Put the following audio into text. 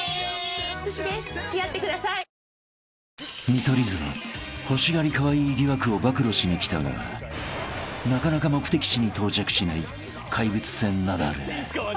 ［見取り図の欲しがりカワイイ疑惑を暴露しに来たがなかなか目的地に到着しない怪物船ナダル］